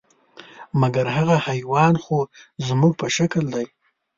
مګر هغه حیوان خو زموږ په شکل دی .